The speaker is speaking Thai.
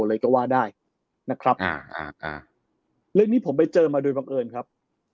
เลยก็ว่าได้นะครับอ่าเรื่องนี้ผมไปเจอมาโดยบังเอิญครับ